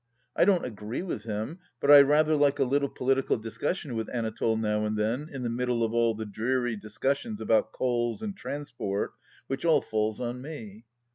I don't agree with him, but I rather like a little political discussion with Anatole now and then, in the middle of all the dreary discussions about coals and transport, which all falls on me.